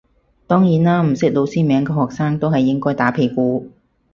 當然啦唔識老師名嘅學生都係應該打屁股